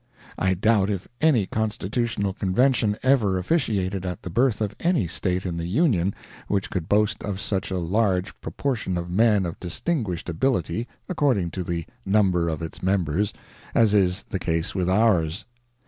I doubt if any Constitutional Convention ever officiated at the birth of any State in the Union which could boast of such a large proportion of men of distinguished ability, according to the number of its members, as is the case with ours.